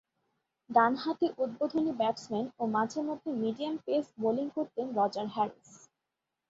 ডানহাতি উদ্বোধনী ব্যাটসম্যান ও মাঝে-মধ্যে মিডিয়াম-পেস বোলিং করতেন রজার হ্যারিস।